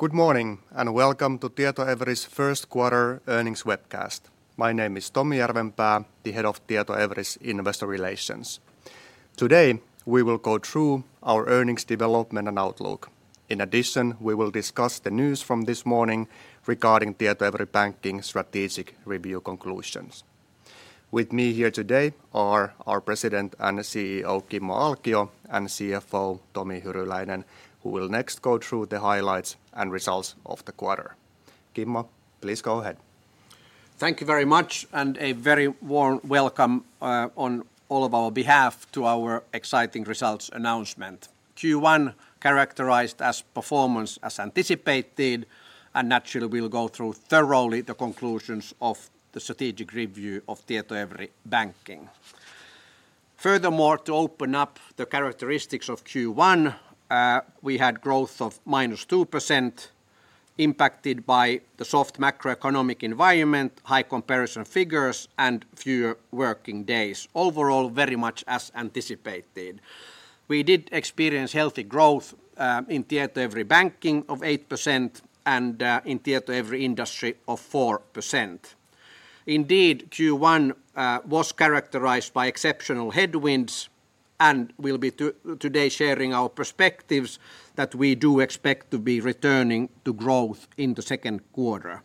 Good morning and welcome to Tietoevry's first quarter earnings webcast. My name is Tommi Järvenpää, the head of Tietoevry's investor relations. Today we will go through our earnings development and outlook. In addition, we will discuss the news from this morning regarding Tietoevry Banking's strategic review conclusions. With me here today are our President and CEO Kimmo Alkio and CFO Tommi Hyryläinen, who will next go through the highlights and results of the quarter. Kimmo, please go ahead. Thank you very much and a very warm welcome on all of our behalf to our exciting results announcement. Q1 characterized as performance as anticipated and naturally we'll go through thoroughly the conclusions of the strategic review of Tietoevry Banking. Furthermore, to open up the characteristics of Q1, we had growth of -2% impacted by the soft macroeconomic environment, high comparison figures and fewer working days. Overall, very much as anticipated. We did experience healthy growth in Tietoevry Banking of 8% and in Tietoevry Industry of 4%. Indeed, Q1 was characterized by exceptional headwinds and we'll be today sharing our perspectives that we do expect to be returning to growth in the second quarter.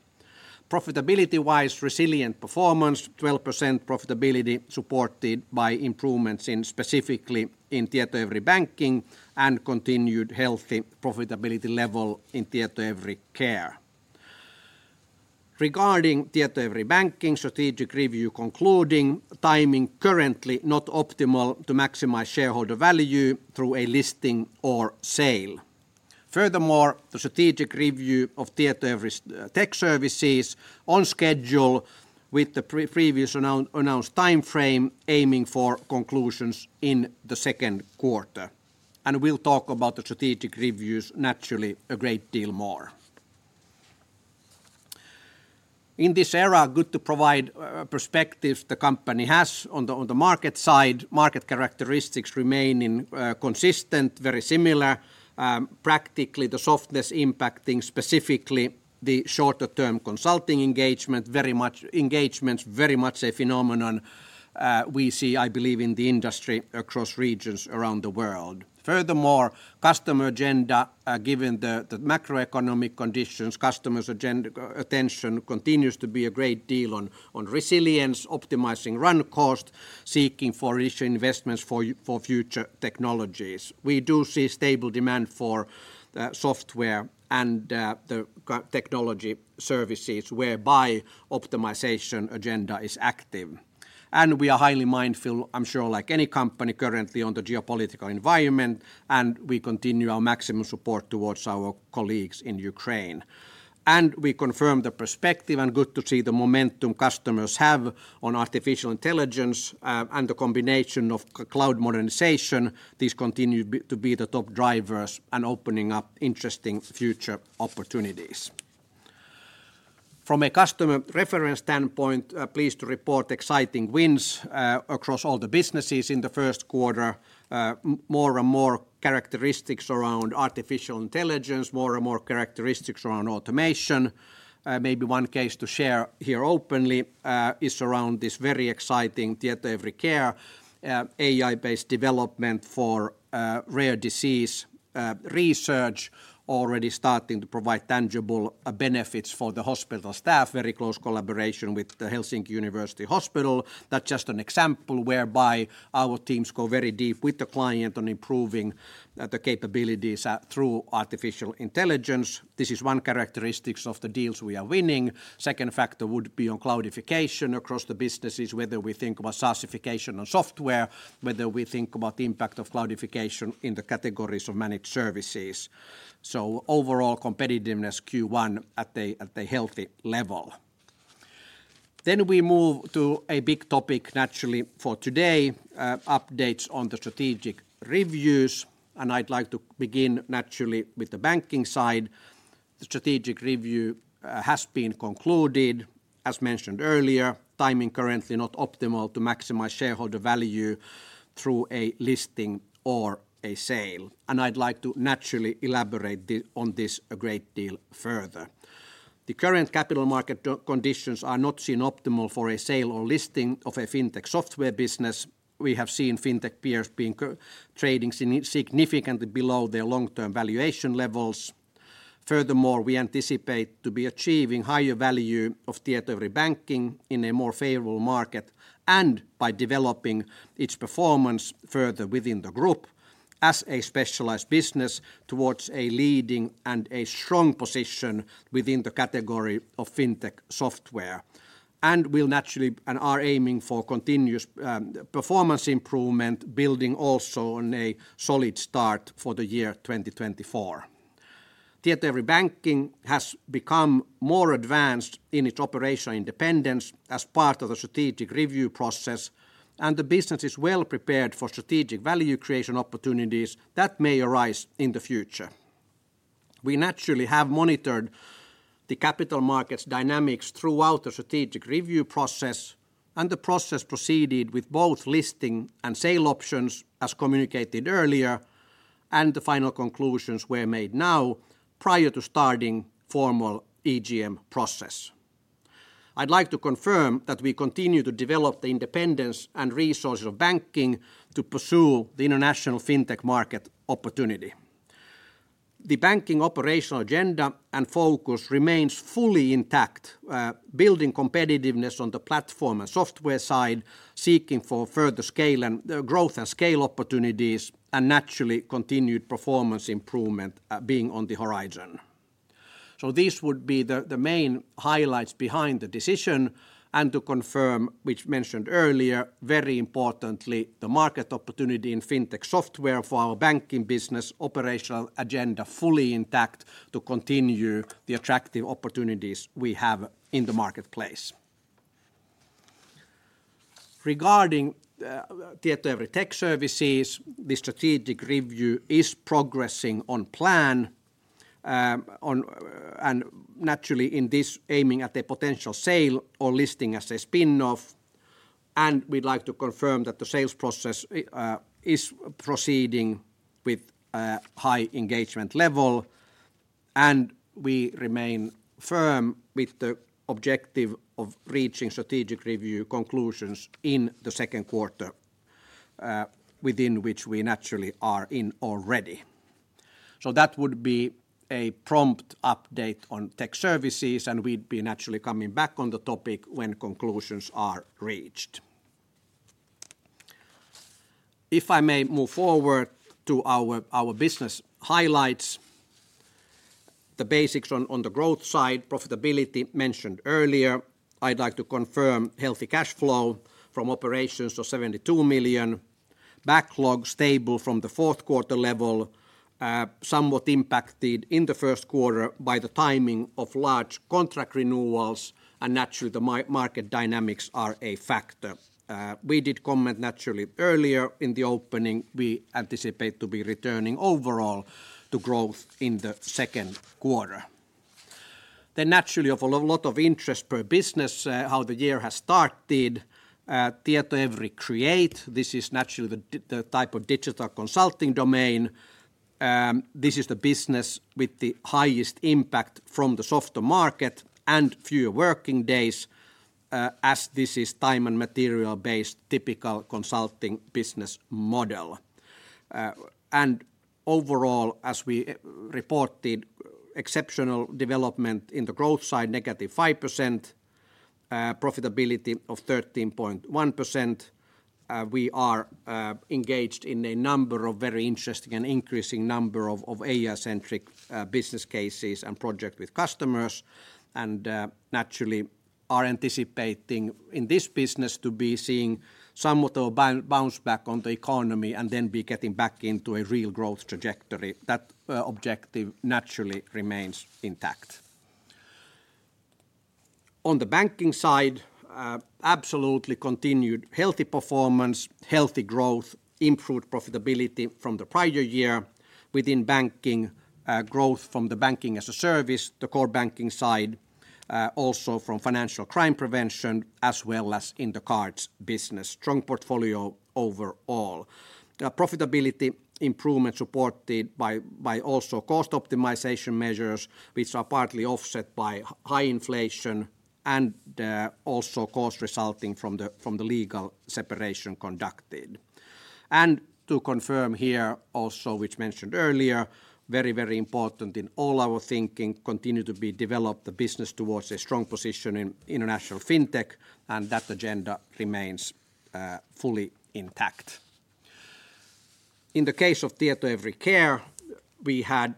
Profitability-wise, resilient performance, 12% profitability supported by improvements specifically in Tietoevry Banking and continued healthy profitability level in Tietoevry Care. Regarding Tietoevry Banking strategic review concluding, timing currently not optimal to maximize shareholder value through a listing or sale. Furthermore, the strategic review of Tietoevry's Tech Services is on schedule with the previously announced time frame aiming for conclusions in the second quarter. We'll talk about the strategic reviews naturally a great deal more. In this era, good to provide perspectives the company has on the market side. Market characteristics remaining consistent, very similar. Practically, the softness impacting specifically the shorter-term consulting engagement, very much engagements, very much a phenomenon we see, I believe, in the industry across regions around the world. Furthermore, customer agenda given the macroeconomic conditions, customers' attention continues to be a great deal on resilience, optimizing run cost, seeking for additional investments for future technologies. We do see stable demand for software and the technology services whereby optimization agenda is active. We are highly mindful, I'm sure like any company currently on the geopolitical environment and we continue our maximum support towards our colleagues in Ukraine. We confirm the perspective and good to see the momentum customers have on artificial intelligence and the combination of cloud modernization, these continue to be the top drivers and opening up interesting future opportunities. From a customer reference standpoint, pleased to report exciting wins across all the businesses in the first quarter. More and more characteristics around artificial intelligence, more and more characteristics around automation. Maybe one case to share here openly is around this very exciting Tietoevry Care, AI-based development for rare disease research already starting to provide tangible benefits for the hospital staff, very close collaboration with the Helsinki University Hospital. That's just an example whereby our teams go very deep with the client on improving the capabilities through artificial intelligence. This is one characteristic of the deals we are winning. Second factor would be on cloudification across the businesses, whether we think about SaaSification on software, whether we think about the impact of cloudification in the categories of managed services. So overall competitiveness Q1 at a healthy level. Then we move to a big topic naturally for today, updates on the strategic reviews and I'd like to begin naturally with the banking side. The strategic review has been concluded. As mentioned earlier, timing currently not optimal to maximize shareholder value through a listing or a sale. And I'd like to naturally elaborate on this a great deal further. The current capital market conditions are not seen optimal for a sale or listing of a fintech software business. We have seen fintech peers being trading significantly below their long-term valuation levels. Furthermore, we anticipate to be achieving higher value of Tietoevry Banking in a more favorable market and by developing its performance further within the group as a specialized business towards a leading and a strong position within the category of fintech software. We'll naturally and are aiming for continuous performance improvement, building also on a solid start for the year 2024. Tietoevry Banking has become more advanced in its operational independence as part of the strategic review process and the business is well prepared for strategic value creation opportunities that may arise in the future. We naturally have monitored the capital markets dynamics throughout the strategic review process and the process proceeded with both listing and sale options as communicated earlier and the final conclusions were made now prior to starting formal EGM process. I'd like to confirm that we continue to develop the independence and resources of banking to pursue the international fintech market opportunity. The banking operational agenda and focus remains fully intact, building competitiveness on the platform and software side, seeking for further growth and scale opportunities and naturally continued performance improvement being on the horizon. So these would be the main highlights behind the decision and to confirm, which mentioned earlier, very importantly, the market opportunity in fintech software for our banking business operational agenda fully intact to continue the attractive opportunities we have in the marketplace. Regarding Tietoevry Tech Services, this strategic review is progressing on plan. And naturally in this aiming at a potential sale or listing as a spin-off. We'd like to confirm that the sales process is proceeding with a high engagement level and we remain firm with the objective of reaching strategic review conclusions in the second quarter within which we naturally are in already. So that would be a prompt update on Tech Services and we'd be naturally coming back on the topic when conclusions are reached. If I may move forward to our business highlights. The basics on the growth side, profitability mentioned earlier. I'd like to confirm healthy cash flow from operations of 72 million. Backlog stable from the fourth quarter level. Somewhat impacted in the first quarter by the timing of large contract renewals and naturally the market dynamics are a factor. We did comment naturally earlier in the opening we anticipate to be returning overall to growth in the second quarter. Then naturally of a lot of interest per business how the year has started. Tietoevry Create, this is naturally the type of digital consulting domain. This is the business with the highest impact from the softer market and fewer working days as this is time and material-based typical consulting business model. And overall as we reported, exceptional development in the growth side, negative 5%. Profitability of 13.1%. We are engaged in a number of very interesting and increasing number of AI-centric business cases and projects with customers and naturally are anticipating in this business to be seeing somewhat of a bounce back on the economy and then be getting back into a real growth trajectory. That objective naturally remains intact. On the banking side, absolutely continued healthy performance, healthy growth, improved profitability from the prior year. Within banking, growth from the banking as a service, the core banking side, also from financial crime prevention as well as in the cards business, strong portfolio overall. Profitability improvement supported by also cost optimization measures which are partly offset by high inflation and also cost resulting from the legal separation conducted. And to confirm here also, as mentioned earlier, very, very important in all our thinking, continuing to develop the business towards a strong position in international fintech and that agenda remains fully intact. In the case of Tietoevry Care, we had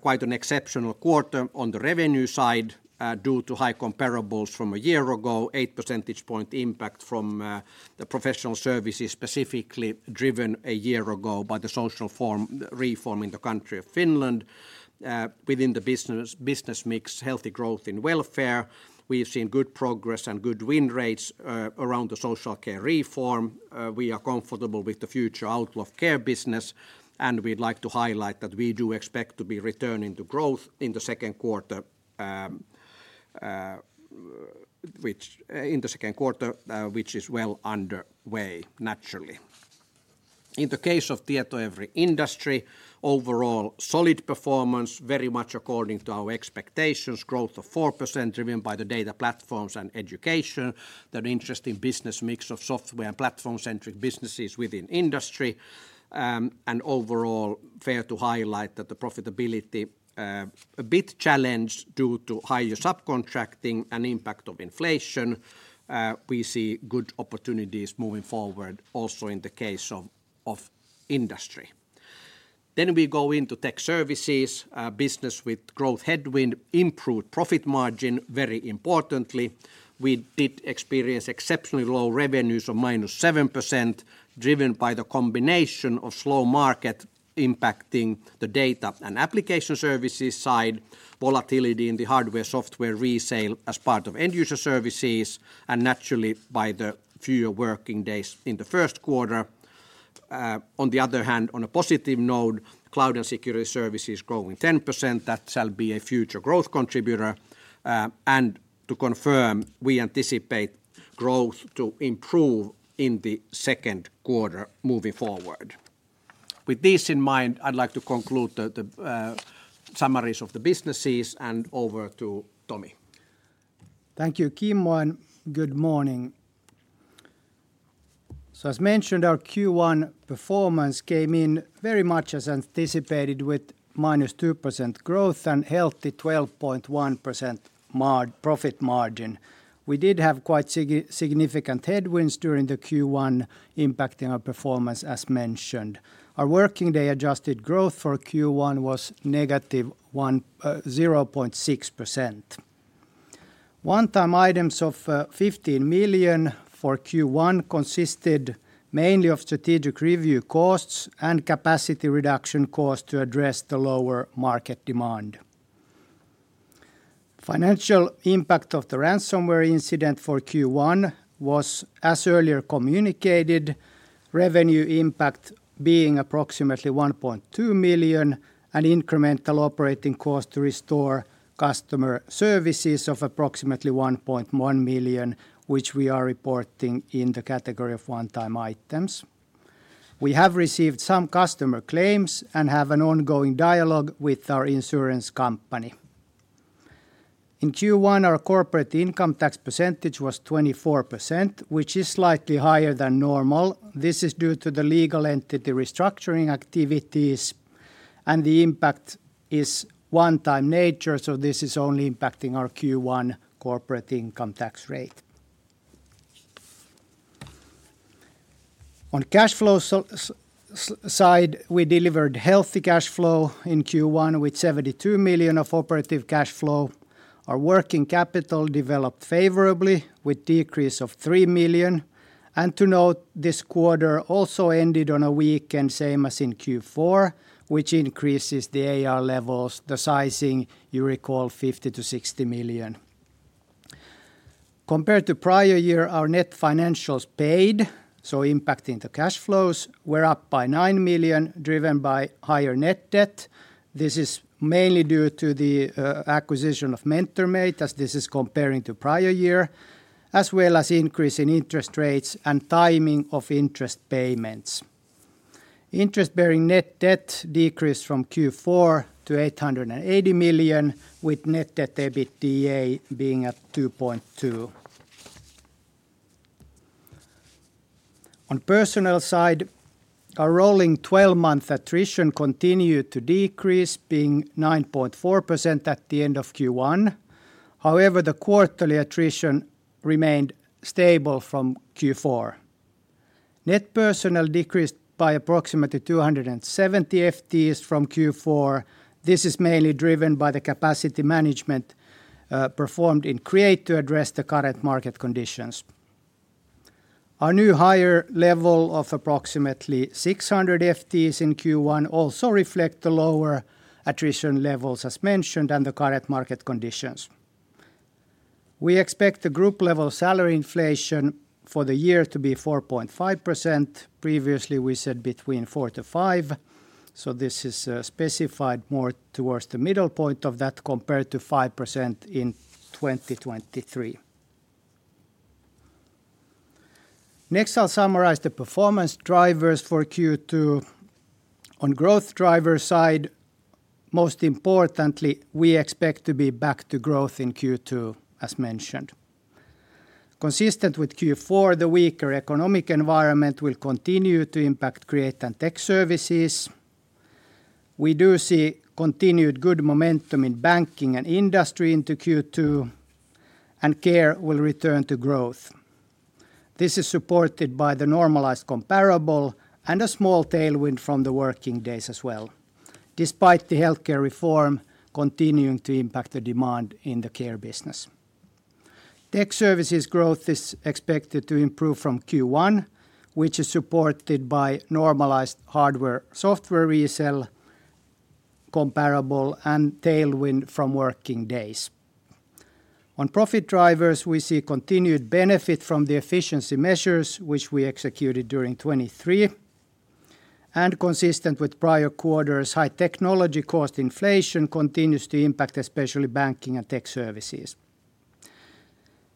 quite an exceptional quarter on the revenue side due to high comparables from a year ago, 8 percentage point impact from the professional services specifically driven a year ago by the social care reform in the country of Finland. Within the business mix, healthy growth in welfare. We've seen good progress and good win rates around the social care reform. We are comfortable with the future outlook care business and we'd like to highlight that we do expect to be returning to growth in the second quarter, which is well underway naturally. In the case of Tietoevry Industry, overall solid performance, very much according to our expectations, growth of 4% driven by the data platforms and education. An interesting business mix of software and platform-centric businesses within industry. Overall fair to highlight that the profitability a bit challenged due to higher subcontracting and impact of inflation. We see good opportunities moving forward also in the case of industry. Then we go into tech services, business with growth headwind, improved profit margin, very importantly. We did experience exceptionally low revenues of minus 7% driven by the combination of slow market impacting the data and application services side, volatility in the hardware software resale as part of end-user services and naturally by the fewer working days in the first quarter. On the other hand, on a positive note, cloud and security services growing 10%, that shall be a future growth contributor. And to confirm, we anticipate growth to improve in the second quarter moving forward. With these in mind, I'd like to conclude the summaries of the businesses and over to Tommi. Thank you Kimmo and good morning. So as mentioned, our Q1 performance came in very much as anticipated with minus 2% growth and healthy 12.1% profit margin. We did have quite significant headwinds during the Q1 impacting our performance as mentioned. Our working day adjusted growth for Q1 was negative 0.6%. One-time items of 15 million for Q1 consisted mainly of strategic review costs and capacity reduction costs to address the lower market demand. Financial impact of the ransomware incident for Q1 was as earlier communicated, revenue impact being approximately 1.2 million and incremental operating costs to restore customer services of approximately 1.1 million which we are reporting in the category of one-time items. We have received some customer claims and have an ongoing dialogue with our insurance company. In Q1, our corporate income tax percentage was 24% which is slightly higher than normal. This is due to the legal entity restructuring activities and the impact is one-time nature so this is only impacting our Q1 corporate income tax rate. On cash flow side, we delivered healthy cash flow in Q1 with 72 million of operative cash flow. Our working capital developed favorably with decrease of 3 million. And to note, this quarter also ended on a weekend same as in Q4 which increases the AR levels, the sizing you recall 50 million-60 million. Compared to prior year, our net financials paid, so impacting the cash flows, were up by 9 million driven by higher net debt. This is mainly due to the acquisition of MentorMate as this is comparing to prior year as well as increase in interest rates and timing of interest payments. Interest-bearing net debt decreased from Q4 to 880 million with net debt to EBITDA being at 2.2. On personnel side, our rolling 12-month attrition continued to decrease being 9.4% at the end of Q1. However, the quarterly attrition remained stable from Q4. Net personnel decreased by approximately 270 FTEs from Q4. This is mainly driven by the capacity management performed in Create to address the current market conditions. Our new higher level of approximately 600 FTEs in Q1 also reflect the lower attrition levels as mentioned and the current market conditions. We expect the group level salary inflation for the year to be 4.5%. Previously we said between 4%-5%. This is specified more towards the middle point of that compared to 5% in 2023. Next, I'll summarize the performance drivers for Q2. On growth driver side, most importantly, we expect to be back to growth in Q2 as mentioned. Consistent with Q4, the weaker economic environment will continue to impact Create and tech services. We do see continued good momentum in banking and industry into Q2 and care will return to growth. This is supported by the normalized comparable and a small tailwind from the working days as well despite the healthcare reform continuing to impact the demand in the care business. Tech services growth is expected to improve from Q1 which is supported by normalized hardware software resale comparable and tailwind from working days. On profit drivers, we see continued benefit from the efficiency measures which we executed during 2023. Consistent with prior quarters, high technology cost inflation continues to impact especially banking and tech services.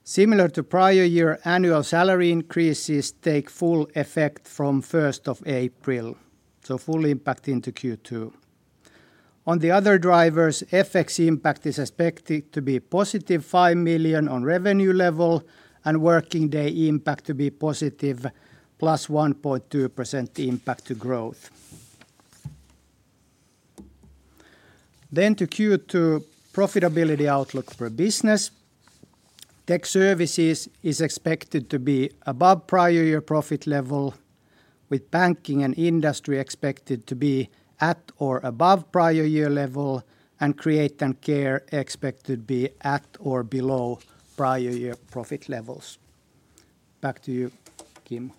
Similar to prior year, annual salary increases take full effect from 1st of April. So full impact into Q2. On the other drivers, FX impact is expected to be positive 5 million on revenue level and working day impact to be positive +1.2% impact to growth. Then to Q2, profitability outlook per business. Tech Services is expected to be above prior-year profit level with Banking and Industry expected to be at or above prior-year level and Create and Care expected to be at or below prior-year profit levels. Back to you, Kimmo.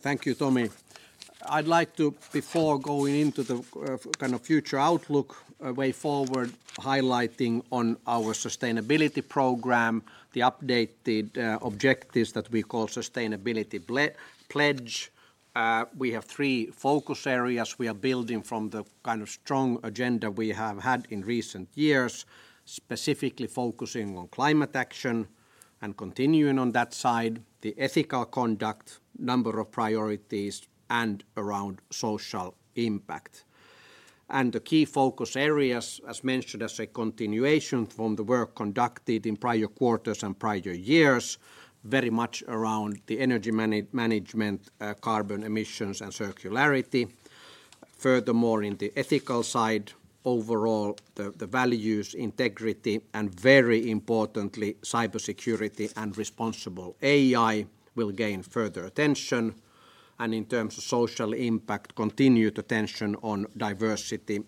Thank you, Tommi. I'd like to, before going into the kind of future outlook way forward, highlighting on our sustainability program, the updated objectives that we call Sustainability Pledge. We have three focus areas we are building from the kind of strong agenda we have had in recent years specifically focusing on climate action and continuing on that side, the ethical conduct, number of priorities and around social impact. The key focus areas as mentioned as a continuation from the work conducted in prior quarters and prior years very much around the energy management, carbon emissions and circularity. Furthermore, in the ethical side, overall the values, integrity and very importantly cybersecurity and responsible AI will gain further attention. In terms of social impact, continued attention on diversity,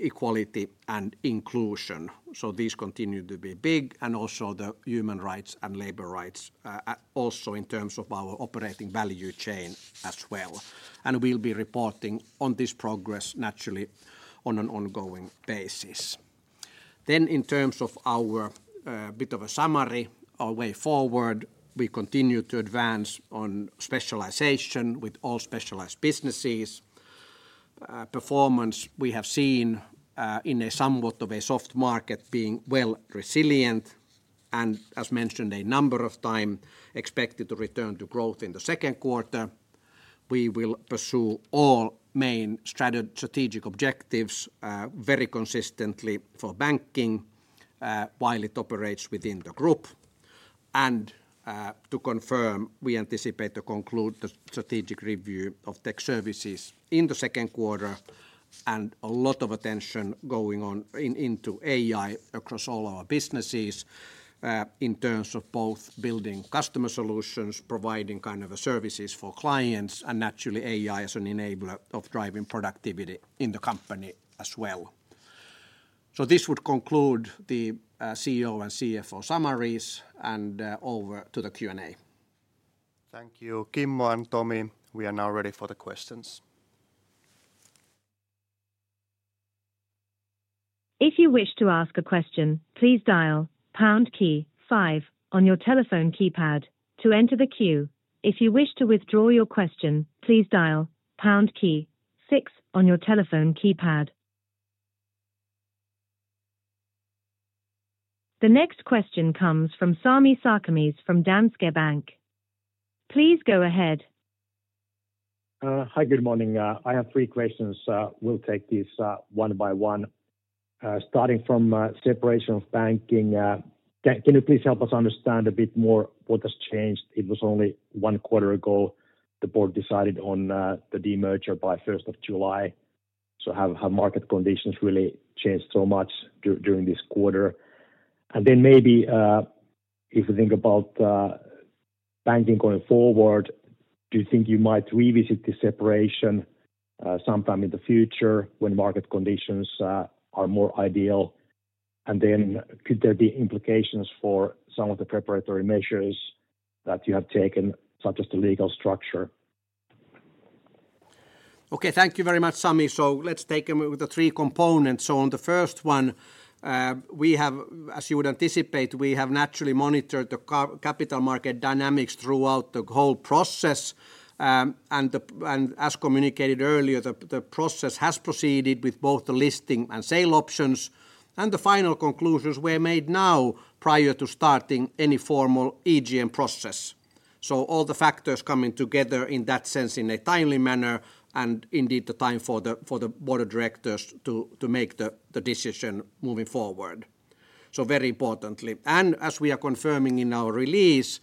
equality and inclusion. These continue to be big and also the human rights and labor rights also in terms of our operating value chain as well. We'll be reporting on this progress naturally on an ongoing basis. In terms of our bit of a summary or way forward, we continue to advance on specialization with all specialized businesses. Performance we have seen in a somewhat of a soft market being well resilient and as mentioned a number of times expected to return to growth in the second quarter. We will pursue all main strategic objectives very consistently for Banking while it operates within the group. To confirm, we anticipate to conclude the strategic review of tech services in the second quarter and a lot of attention going on into AI across all our businesses in terms of both building customer solutions, providing kind of services for clients and naturally AI as an enabler of driving productivity in the company as well. So this would conclude the CEO and CFO summaries and over to the Q&A. Thank you Kimmo and Tommi. We are now ready for the questions. If you wish to ask a question, please dial pound key five on your telephone keypad to enter the queue. If you wish to withdraw your question, please dial pound key six on your telephone keypad. The next question comes from Sami Sarkamies from Danske Bank. Please go ahead. Hi, good morning. I have three questions. We'll take these one by one. Starting from separation of banking, can you please help us understand a bit more what has changed? It was only one quarter ago the board decided on the demerger by 1st of July. So have market conditions really changed so much during this quarter? And then maybe if we think about banking going forward, do you think you might revisit this separation sometime in the future when market conditions are more ideal? And then could there be implications for some of the preparatory measures that you have taken such as the legal structure? Okay, thank you very much, Sami. So let's take them with the three components. So on the first one, we have, as you would anticipate, we have naturally monitored the capital market dynamics throughout the whole process. And as communicated earlier, the process has proceeded with both the listing and sale options. The final conclusions were made now prior to starting any formal EGM process. All the factors coming together in that sense in a timely manner and indeed the time for the board of directors to make the decision moving forward. Very importantly. As we are confirming in our release,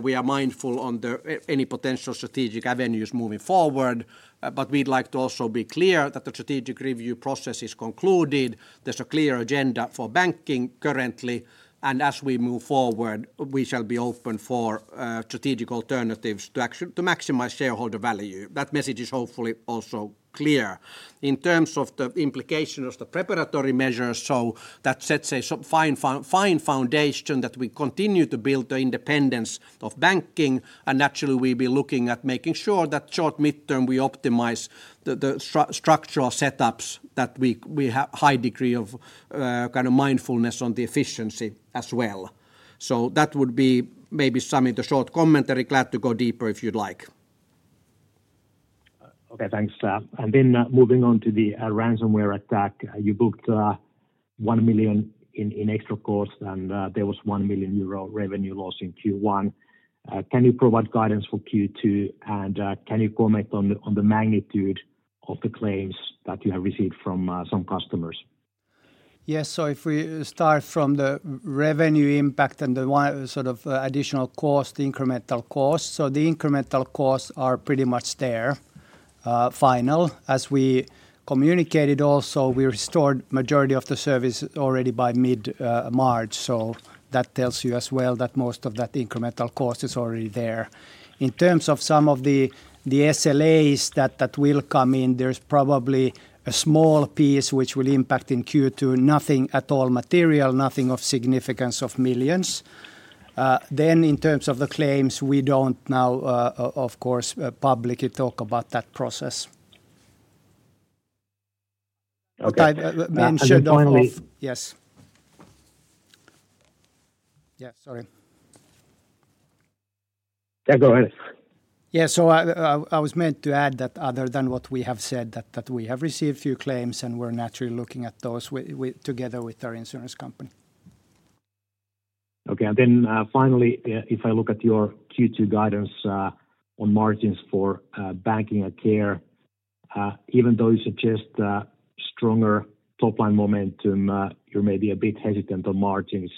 we are mindful on any potential strategic avenues moving forward. But we'd like to also be clear that the strategic review process is concluded. There's a clear agenda for banking currently. As we move forward, we shall be open for strategic alternatives to maximize shareholder value. That message is hopefully also clear. In terms of the implication of the preparatory measures, so that sets a fine foundation that we continue to build the independence of banking and naturally we'll be looking at making sure that short mid-term we optimize the structural setups that we have high degree of kind of mindfulness on the efficiency as well. So that would be maybe some of the short commentary. Glad to go deeper if you'd like. Okay, thanks. And then moving on to the ransomware attack, you booked 1 million in extra costs and there was 1 million euro revenue loss in Q1. Can you provide guidance for Q2 and can you comment on the magnitude of the claims that you have received from some customers? Yes, so if we start from the revenue impact and the one sort of additional cost, incremental cost. So the incremental costs are pretty much there, final. As we communicated also, we restored the majority of the service already by mid-March. So that tells you as well that most of that incremental cost is already there. In terms of some of the SLAs that will come in, there's probably a small piece which will impact in Q2, nothing at all material, nothing of significance of millions. Then in terms of the claims, we don't know of course publicly talk about that process. Okay and finally yes. Yeah sorry. Yeah go ahead. Yeah so I was meant to add that other than what we have said that we have received few claims and we're naturally looking at those together with our insurance company. Okay and then finally if I look at your Q2 guidance on margins for banking and care, even though you suggest stronger top line momentum, you're maybe a bit hesitant on margins.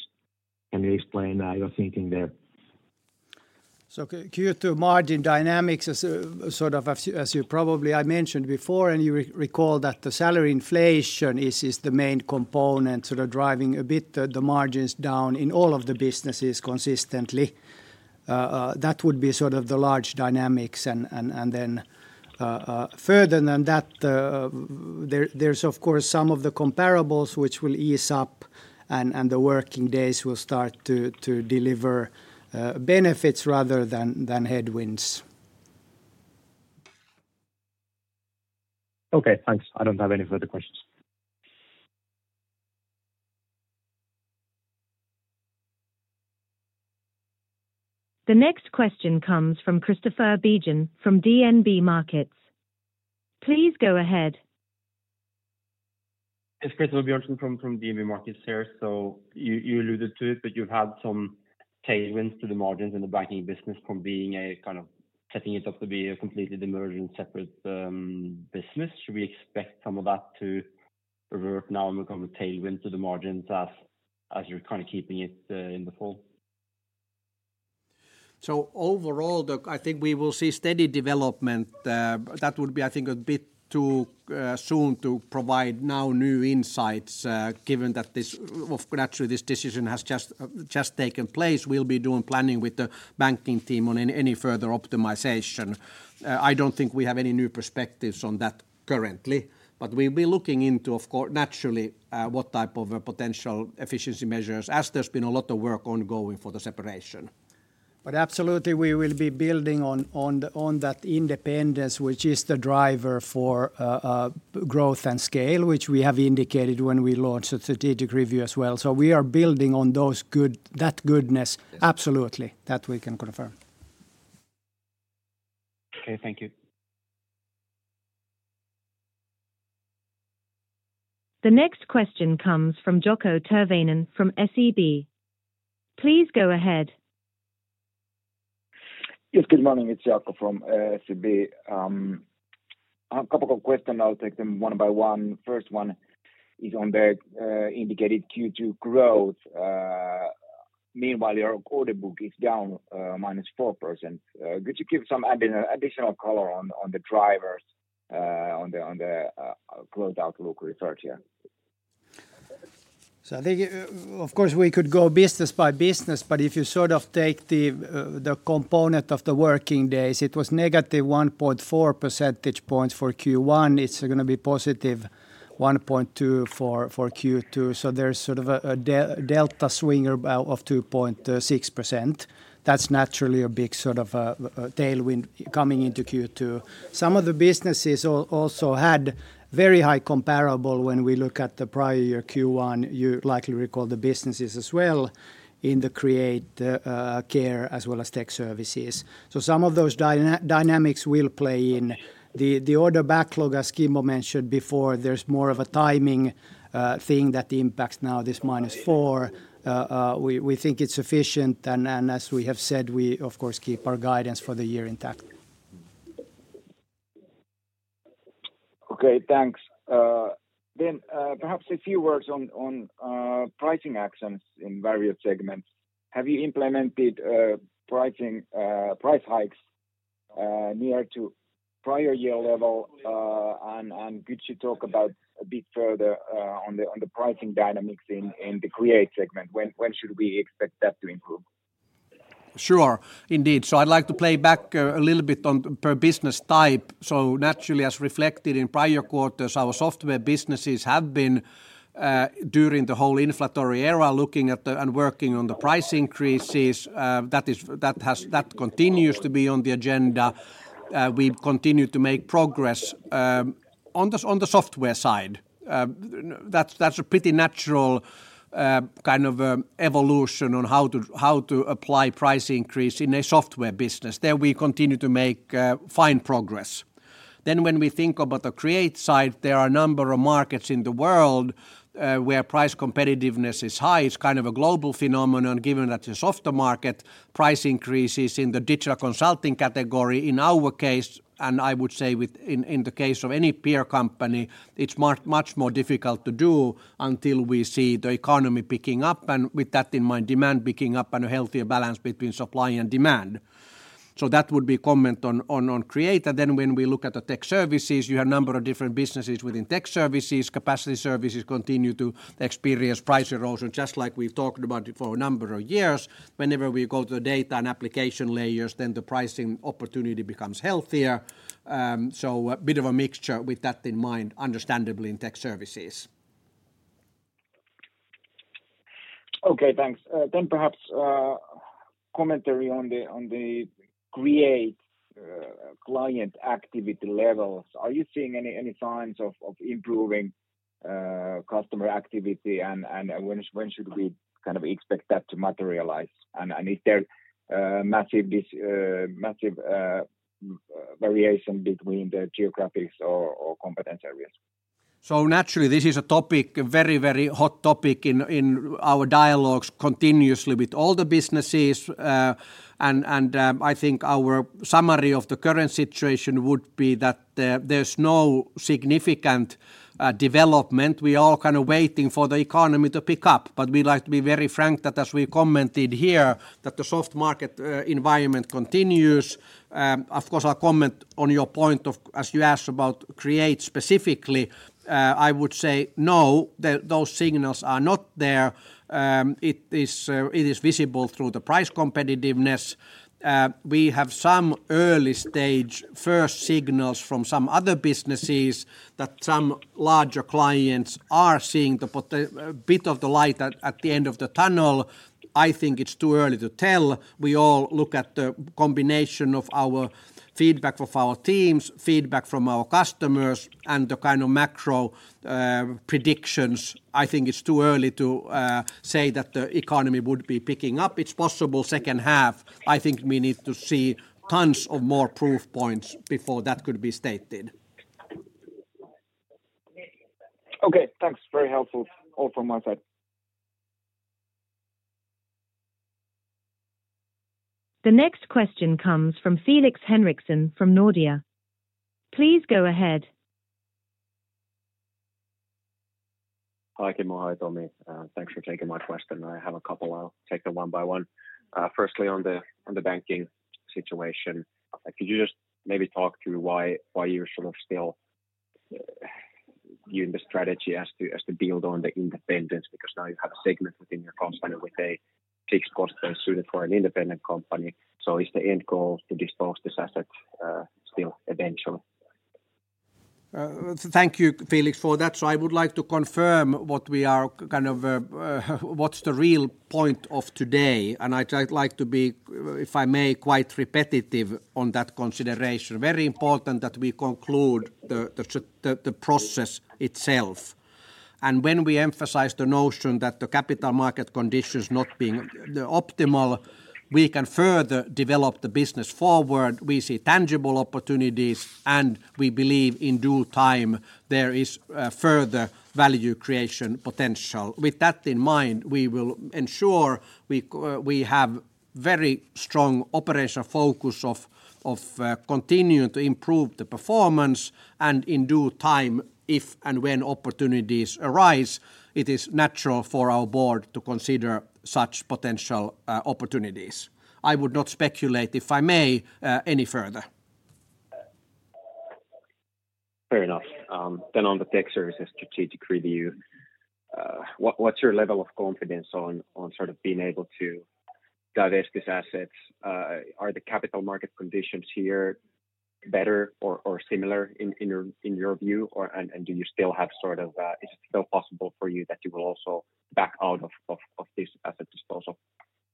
Can you explain your thinking there? So Q2 margin dynamics is sort of as you probably I mentioned before and you recall that the salary inflation is the main component sort of driving a bit the margins down in all of the businesses consistently. That would be sort of the large dynamics and then further than that, there's of course some of the comparables which will ease up and the working days will start to deliver benefits rather than headwinds. Okay, thanks. I don't have any further questions. The next question comes from Christoffer Bjørnsen from DNB Markets. Please go ahead. Yes, Christoffer Bjørnsen from DNB Markets here. So you alluded to it, but you've had some tailwinds to the margins in the banking business from being a kind of setting it up to be a completely divergent separate business. Should we expect some of that to revert now and become a tailwind to the margins as you're kind of keeping it in the fall? So overall I think we will see steady development. That would be I think a bit too soon to provide now new insights given that this naturally this decision has just taken place. We'll be doing planning with the banking team on any further optimization. I don't think we have any new perspectives on that currently. But we'll be looking into of course naturally what type of potential efficiency measures as there's been a lot of work ongoing for the separation. But absolutely we will be building on that independence which is the driver for growth and scale which we have indicated when we launched the strategic review as well. So we are building on that goodness absolutely that we can confirm. Okay thank you. The next question comes from Jaakko Tyrväinen from SEB. Please go ahead. Yes, good morning. It's Jaakko from SEB. A couple of questions. I'll take them one by one. First one is on the indicated Q2 growth. Meanwhile, your order book is down -4%. Could you give some additional color on the drivers on the growth outlook referred here? So, I think of course we could go business by business, but if you sort of take the component of the working days, it was negative 1.4 percentage points for Q1. It's going to be positive 1.2 for Q2. So, there's sort of a delta swing of 2.6%. That's naturally a big sort of tailwind coming into Q2. Some of the businesses also had very high comparable when we look at the prior year Q1. You likely recall the businesses as well in the Create, CARE as well as tech services. So some of those dynamics will play in. The order backlog as Kimmo mentioned before, there's more of a timing thing that impacts now this -4. We think it's sufficient and as we have said, we of course keep our guidance for the year intact. Okay, thanks. Then perhaps a few words on pricing actions in various segments. Have you implemented price hikes near to prior year level and could you talk about a bit further on the pricing dynamics in the Create segment? When should we expect that to improve? Sure, indeed. So I'd like to play back a little bit on per business type. So naturally as reflected in prior quarters, our software businesses have been during the whole inflatory era looking at and working on the price increases. That continues to be on the agenda. We continue to make progress on the software side. That's a pretty natural kind of evolution on how to apply price increase in a software business. There we continue to make fine progress. Then when we think about the Create side, there are a number of markets in the world where price competitiveness is high. It's kind of a global phenomenon given that your software market. Price increases in the digital consulting category in our case and I would say in the case of any peer company, it's much more difficult to do until we see the economy picking up and with that in mind demand picking up and a healthier balance between supply and demand. So that would be comment on Create. And then when we look at the tech services, you have a number of different businesses within tech services. Capacity services continue to experience price erosion just like we've talked about it for a number of years. Whenever we go to the data and application layers, then the pricing opportunity becomes healthier. So a bit of a mixture with that in mind, understandably in tech services. Okay, thanks. Then perhaps commentary on the Create client activity levels. Are you seeing any signs of improving customer activity and when should we kind of expect that to materialize? And is there massive variation between the geographies or competence areas? So naturally this is a topic, very, very hot topic in our dialogues continuously with all the businesses. And I think our summary of the current situation would be that there's no significant development. We're all kind of waiting for the economy to pick up. But we'd like to be very frank that, as we commented here, that the soft market environment continues. Of course I'll comment on your point of, as you asked about Create specifically, I would say no, those signals are not there. It is visible through the price competitiveness. We have some early stage first signals from some other businesses that some larger clients are seeing a bit of the light at the end of the tunnel. I think it's too early to tell. We all look at the combination of our feedback from our teams, feedback from our customers and the kind of macro predictions. I think it's too early to say that the economy would be picking up. It's possible second half. I think we need to see tons of more proof points before that could be stated. Okay thanks. Very helpful all from my side. The next question comes from Felix Henriksson from Nordea. Please go ahead. Hi Kimmo. Hi Tommi. Thanks for taking my question. I have a couple. I'll take them one by one. Firstly on the banking situation. Could you just maybe talk through why you're sort of still using the strategy as to build on the independence because now you have a segment within your company with a fixed cost base suited for an independent company. So is the end goal to dispose of this asset still eventually? Thank you, Felix, for that. So I would like to confirm what we are kind of what's the real point of today. And I'd like to be, if I may, quite repetitive on that consideration. Very important that we conclude the process itself. When we emphasize the notion that the capital market conditions not being optimal, we can further develop the business forward. We see tangible opportunities and we believe in due time there is further value creation potential. With that in mind, we will ensure we have very strong operational focus of continuing to improve the performance and in due time if and when opportunities arise, it is natural for our board to consider such potential opportunities. I would not speculate if I may any further. Fair enough. On the tech services strategic review, what's your level of confidence on sort of being able to divest these assets? Are the capital market conditions here better or similar in your view and do you still have sort of is it still possible for you that you will also back out of this asset disposal?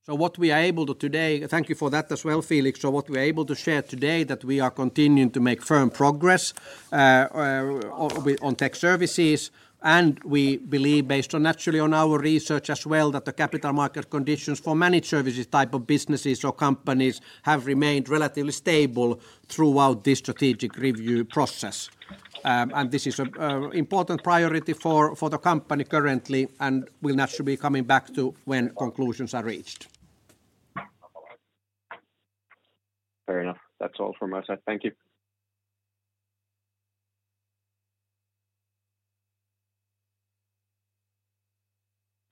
So what we are able to today. Thank you for that as well, Felix. So what we're able to share today that we are continuing to make firm progress on tech services and we believe based on naturally on our research as well that the capital market conditions for managed services type of businesses or companies have remained relatively stable throughout this strategic review process. And this is an important priority for the company currently and we'll naturally be coming back to when conclusions are reached. Fair enough. That's all from my side. Thank you.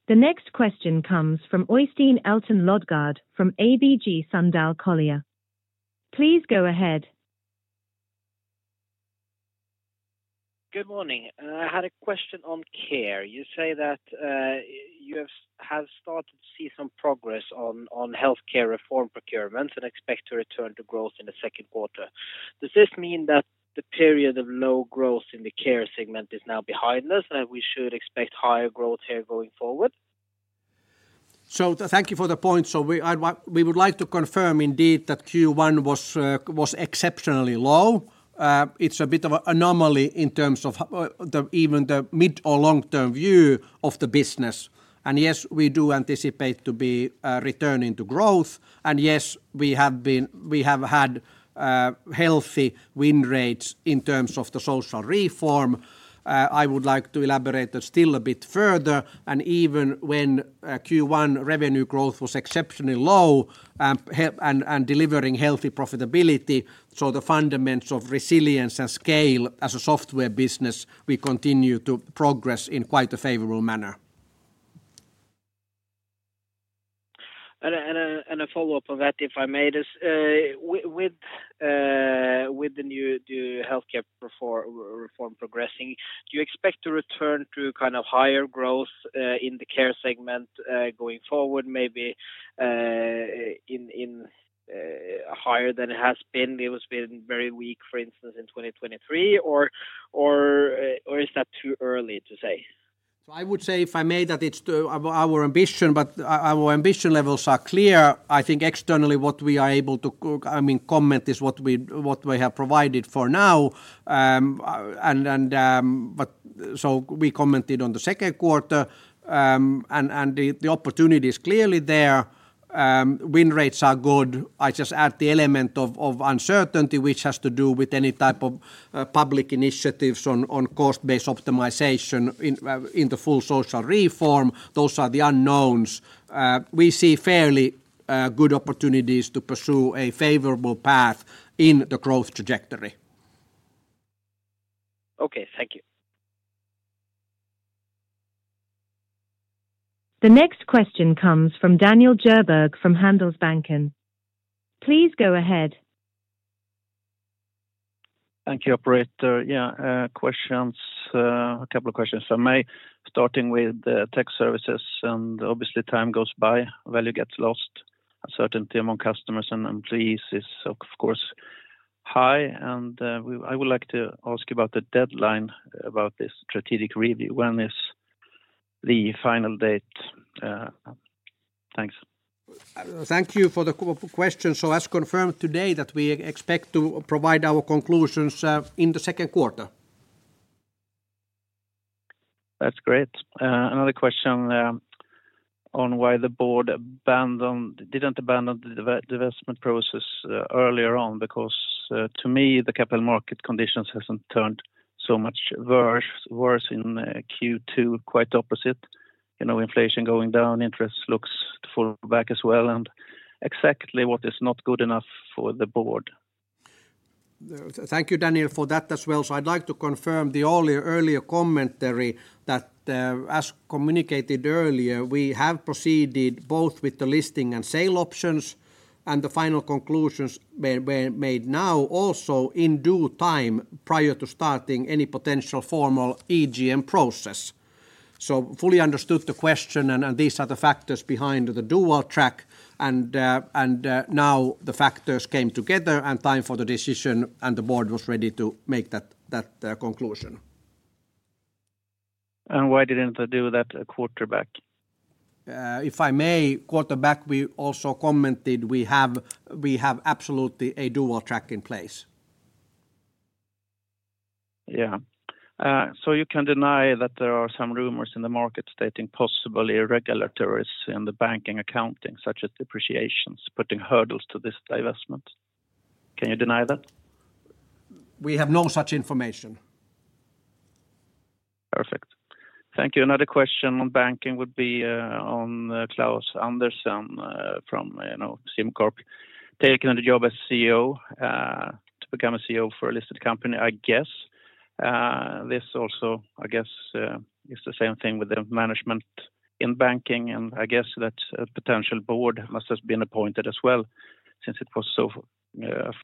The next question comes from Øystein Elton Lodgaard from ABG Sundal Collier. Please go ahead. Good morning. I had a question on care. You say that you have started to see some progress on healthcare reform procurements and expect to return to growth in the second quarter. Does this mean that the period of low growth in the care segment is now behind us and that we should expect higher growth here going forward? So thank you for the point. So we would like to confirm indeed that Q1 was exceptionally low. It's a bit of an anomaly in terms of even the mid or long-term view of the business. And yes, we do anticipate to be returning to growth. And yes, we have had healthy win rates in terms of the social reform. I would like to elaborate that still a bit further. And even when Q1 revenue growth was exceptionally low and delivering healthy profitability, so the fundamentals of resilience and scale as a software business, we continue to progress in quite a favorable manner. And a follow-up on that if I may. With the new healthcare reform progressing, do you expect to return to kind of higher growth in the care segment going forward? Maybe higher than it has been. It has been very weak for instance in 2023 or is that too early to say? So I would say if I may that it's our ambition but our ambition levels are clear. I think externally what we are able to comment is what we have provided for now. And so we commented on the second quarter and the opportunity is clearly there. Win rates are good. I just add the element of uncertainty which has to do with any type of public initiatives on cost-based optimization in the full social reform. Those are the unknowns. We see fairly good opportunities to pursue a favorable path in the growth trajectory. Okay thank you. The next question comes from Daniel Djurberg from Handelsbanken.Please go ahead. Thank you operator. Yeah, questions. A couple of questions if I may. Starting with tech services and obviously time goes by, value gets lost. Uncertainty among customers and employees is of course high. And I would like to ask you about the deadline about this strategic review. When is the final date? Thanks. Thank you for the question. So as confirmed today that we expect to provide our conclusions in the second quarter. That's great. Another question on why the board didn't abandon the investment process earlier on because to me the capital market conditions hasn't turned so much worse in Q2, quite the opposite. You know inflation going down, interest looks to fall back as well and exactly what is not good enough for the board. Thank you Daniel for that as well. So I'd like to confirm the earlier commentary that as communicated earlier, we have proceeded both with the listing and sale options and the final conclusions made now also in due time prior to starting any potential formal EGM process. So fully understood the question and these are the factors behind the dual track and now the factors came together and time for the decision and the board was ready to make that conclusion. And why didn't they do that a quarter back? If I may, quarter back we also commented we have absolutely a dual track in place. Yeah. So you can deny that there are some rumors in the market stating possible irregularities in the banking accounting such as depreciations putting hurdles to this divestment. Can you deny that? We have no such information. Perfect. Thank you. Another question on banking would be on Klaus Andersen from SimCorp. Taking the job as CEO to become a CEO for a listed company, I guess. This also, I guess, is the same thing with the management in banking, and I guess that a potential board must have been appointed as well since it was so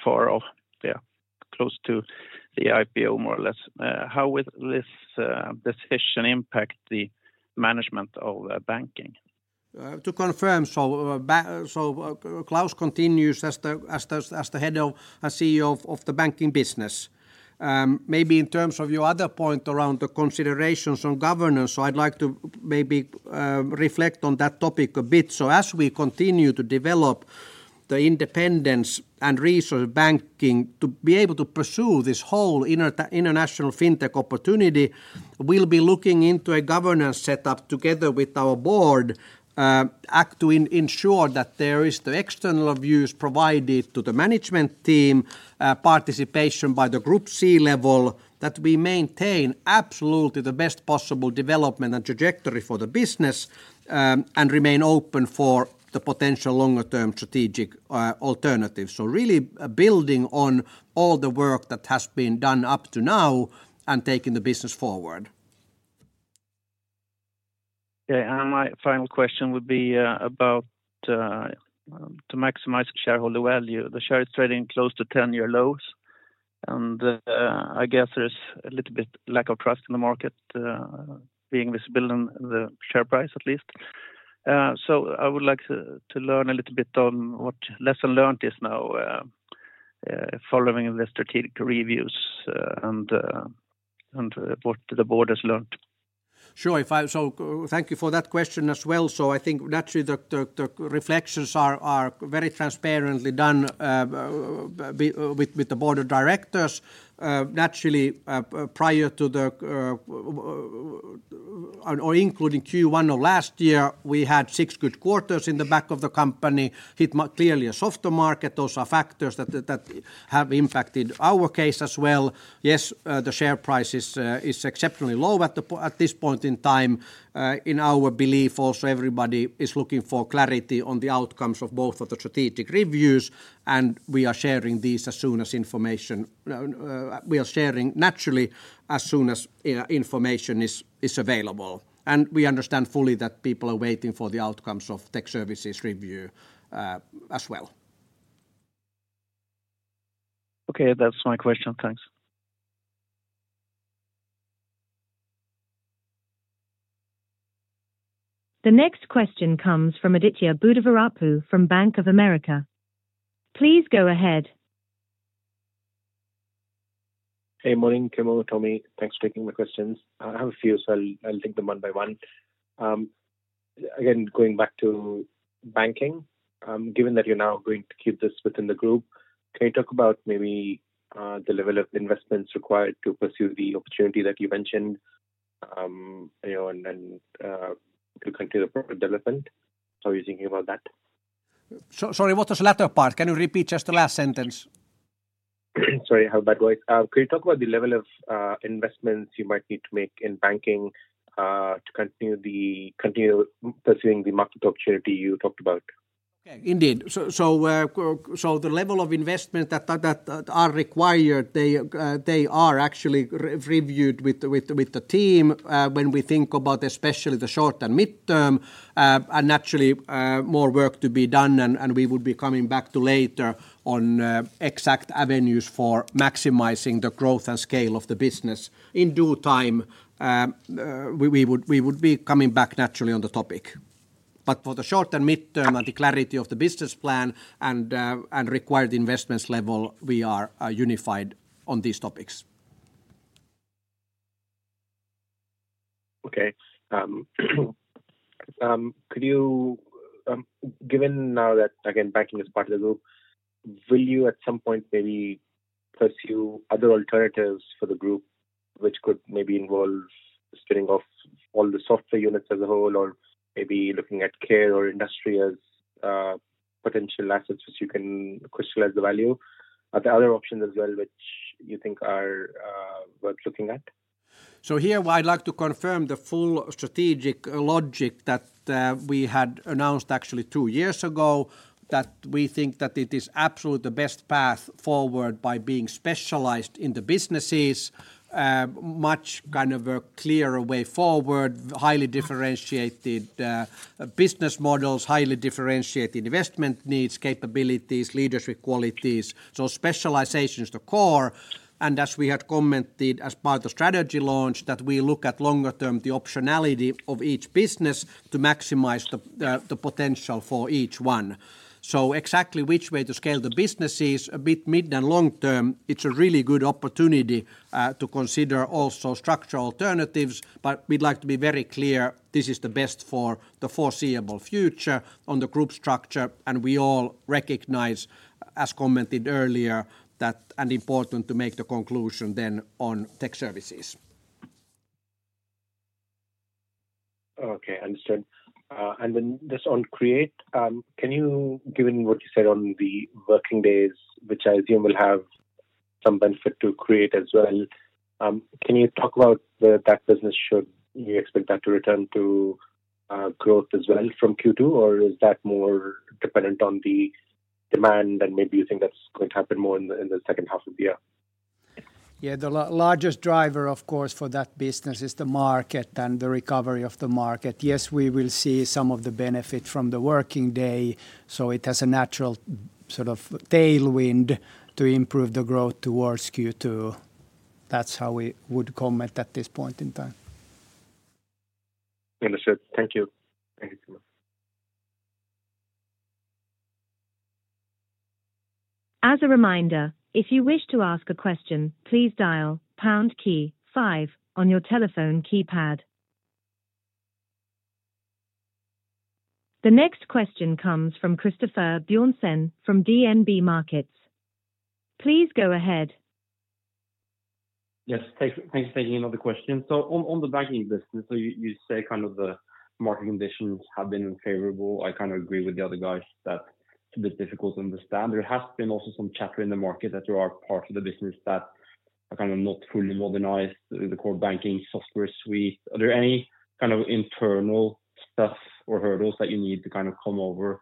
far off, close to the IPO more or less. How would this decision impact the management of banking? To confirm, so Klaus continues as the head of and CEO of the banking business. Maybe in terms of your other point around the considerations on governance, so I'd like to maybe reflect on that topic a bit. So as we continue to develop the independence of Tietoevry Banking to be able to pursue this whole international fintech opportunity, we'll be looking into a governance setup together with our board to ensure that there is the external views provided to the management team, participation by the group C-level, that we maintain absolutely the best possible development and trajectory for the business and remain open for the potential longer-term strategic alternatives. So really building on all the work that has been done up to now and taking the business forward. Okay. And my final question would be about to maximize shareholder value. The share is trading close to 10-year lows and I guess there's a little bit lack of trust in the market being visible in the share price at least. So I would like to learn a little bit on what lesson learned is now following the strategic reviews and what the board has learned. Sure. So thank you for that question as well. So I think naturally the reflections are very transparently done with the board of directors. Naturally prior to the or including Q1 of last year, we had six good quarters in the back of the company, hit clearly a softer market. Those are factors that have impacted our case as well. Yes, the share price is exceptionally low at this point in time. In our belief also everybody is looking for clarity on the outcomes of both of the strategic reviews and we are sharing these as soon as information we are sharing naturally as soon as information is available. And we understand fully that people are waiting for the outcomes of tech services review as well. Okay. That's my question. Thanks. The next question comes from Aditya Buddhavarapu from Bank of America. Please go ahead. Hey morning Kimmo. Tommi, thanks for taking my questions. I have a few so I'll take them one by one. Again going back to banking, given that you're now going to keep this within the group, can you talk about maybe the level of investments required to pursue the opportunity that you mentioned and to continue the product development? How are you thinking about that? Sorry, what was the latter part? Can you repeat just the last sentence? Sorry, I have a bad voice. Can you talk about the level of investments you might need to make in banking to continue pursuing the market opportunity you talked about? Okay. Indeed. So the level of investments that are required, they are actually reviewed with the team when we think about especially the short and mid-term and naturally more work to be done and we would be coming back to later on exact avenues for maximizing the growth and scale of the business. In due time, we would be coming back naturally on the topic. But for the short and mid-term and the clarity of the business plan and required investments level, we are unified on these topics. Okay. Could you, given now that again banking is part of the group, will you at some point maybe pursue other alternatives for the group which could maybe involve spinning off all the software units as a whole or maybe looking at care or industry as potential assets which you can crystallize the value? Are there other options as well which you think are worth looking at? So here I'd like to confirm the full strategic logic that we had announced actually two years ago that we think that it is absolutely the best path forward by being specialized in the businesses. Much kind of a clearer way forward, highly differentiated business models, highly differentiated investment needs, capabilities, leadership qualities. So specialization is the core. And as we had commented as part of the strategy launch that we look at longer-term the optionality of each business to maximize the potential for each one. So, exactly which way to scale the businesses, mid- and long-term, it's a really good opportunity to consider also structural alternatives, but we'd like to be very clear this is the best for the foreseeable future on the group structure, and we all recognize, as commented earlier, that and important to make the conclusion then on Tech Services. Okay. Understood. And then this on Create, can you, given what you said on the working days which I assume will have some benefit to Create as well, can you talk about that business? Should you expect that to return to growth as well from Q2 or is that more dependent on the demand and maybe you think that's going to happen more in the second half of the year? Yeah, the largest driver of course for that business is the market and the recovery of the market. Yes, we will see some of the benefit from the working day so it has a natural sort of tailwind to improve the growth towards Q2. That's how we would comment at this point in time. Understood. Thank you. Thank you so much. As a reminder, if you wish to ask a question, please dial pound key five on your telephone keypad. The next question comes from Christoffer Bjørnsen from DNB Markets. Please go ahead. Yes. Thanks for taking another question. So on the banking business, so you say kind of the market conditions have been unfavorable. I kind of agree with the other guys that it's a bit difficult to understand. There has been also some chatter in the market that there are parts of the business that are kind of not fully modernized, the core banking software suite. Are there any kind of internal stuff or hurdles that you need to kind of come over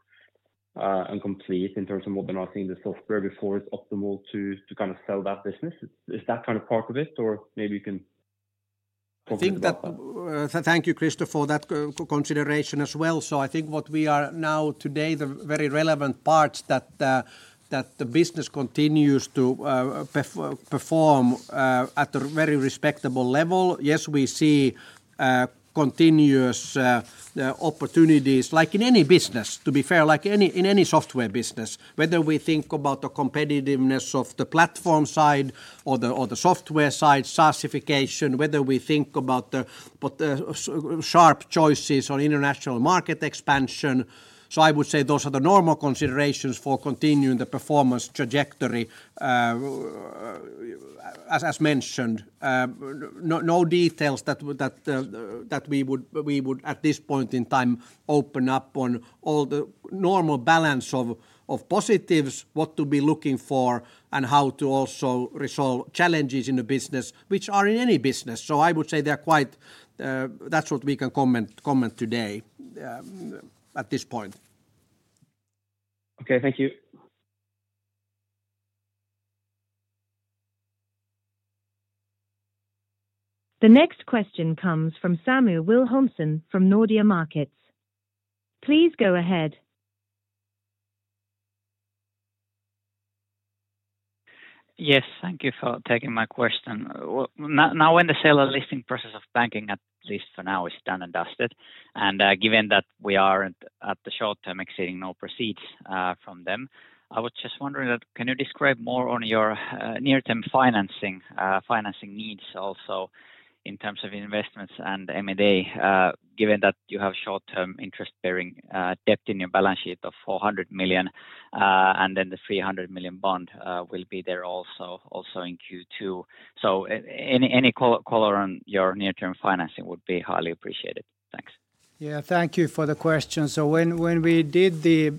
and complete in terms of modernizing the software before it's optimal to kind of sell that business? Is that kind of part of it or maybe you can? I think that. Thank you, Christopher, for that consideration as well. So I think what we are now today, the very relevant parts that the business continues to perform at a very respectable level. Yes, we see continuous opportunities like in any business to be fair, like in any software business. Whether we think about the competitiveness of the platform side or the software side, SaaSification, whether we think about the sharp choices on international market expansion. So I would say those are the normal considerations for continuing the performance trajectory as mentioned. No details that we would at this point in time open up on all the normal balance of positives, what to be looking for and how to also resolve challenges in the business which are in any business. So I would say they are quite; that's what we can comment today at this point. Okay. Thank you. The next question comes from Samu Wilhelmsson from Nordea Markets. Please go ahead. Yes. Thank you for taking my question. Now when the sale and listing process of banking at least for now is done and dusted and given that we aren't at the short term exceeding no proceeds from them, I was just wondering that can you describe more on your near-term financing needs also in terms of investments and M&A given that you have short-term interest-bearing debt in your balance sheet of 400 million and then the 300 million bond will be there also in Q2. So any color on your near-term financing would be highly appreciated. Thanks. Yeah. Thank you for the question. So when we did the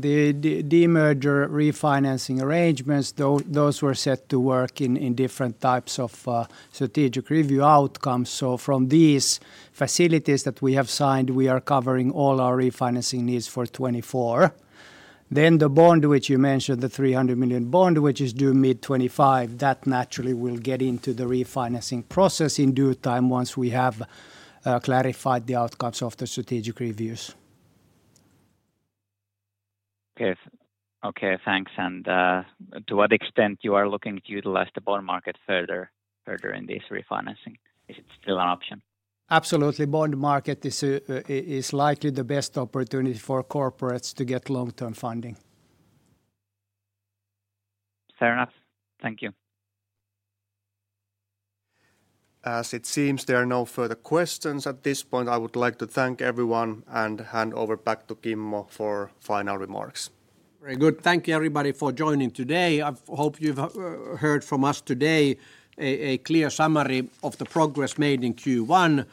de-merger refinancing arrangements, those were set to work in different types of strategic review outcomes. So from these facilities that we have signed, we are covering all our refinancing needs for 2024. Then the bond which you mentioned, the 300 million bond which is due mid-2025, that naturally will get into the refinancing process in due time once we have clarified the outcomes of the strategic reviews. Okay. Okay. Thanks. And to what extent you are looking to utilize the bond market further in this refinancing? Is it still an option? Absolutely. Bond market is likely the best opportunity for corporates to get long-term funding. Fair enough. Thank you. As it seems there are no further questions at this point, I would like to thank everyone and hand over back to Kimmo for final remarks. Very good. Thank you everybody for joining today. I hope you've heard from us today a clear summary of the progress made in Q1.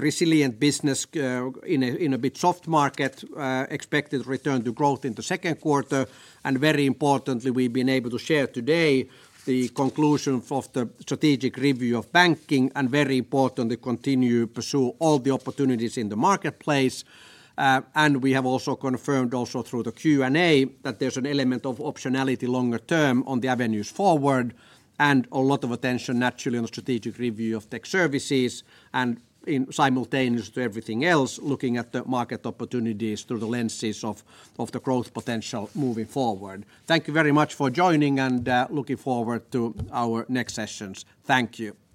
Resilient business in a bit soft market, expected return to growth in the second quarter, and very importantly, we've been able to share today the conclusions of the strategic review of banking, and very importantly, continue to pursue all the opportunities in the marketplace. We have also confirmed also through the Q&A that there's an element of optionality longer-term on the avenues forward, and a lot of attention naturally on the strategic review of tech services, and simultaneously to everything else, looking at the market opportunities through the lenses of the growth potential moving forward. Thank you very much for joining and looking forward to our next sessions. Thank you.